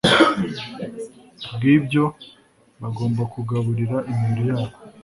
bwibyo bagomba kugaburira imibiri yabo